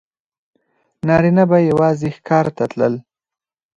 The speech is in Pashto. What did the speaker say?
نارینه به یوازې ښکار ته تلل.